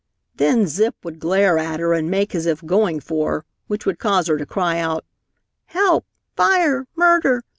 Then Zip would glare at her and make as if going for her, which would cause her to cry out, "Help! Fire! Murder!